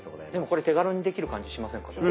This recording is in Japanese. でもこれ手軽にできる感じしませんか。